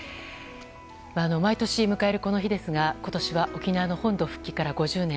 毎年迎えるこの日ですが今年は沖縄の本土復帰から５０年。